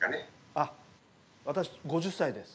あっ私５０歳です。